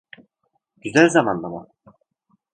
Güzel zamanlama.